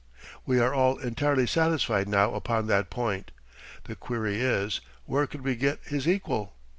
We are all entirely satisfied now upon that point. The query is: where could we get his equal?